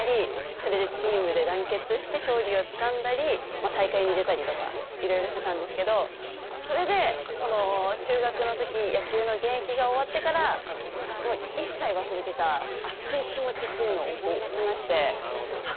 それでチームで団結して勝利をつかんだり大会に出たりとかいろいろしてたんですけどそれで中学の時野球の現役が終わってから一切忘れてた熱い気持ちっていうのを思い出しましてあっ